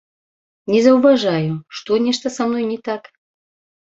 Не заўважаю, што нешта са мной не так.